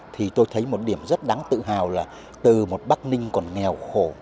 thì tôi thấy một điểm rất đáng tự hào là từ một bắc ninh còn nghèo khổ